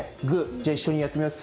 じゃあいっしょにやってみます。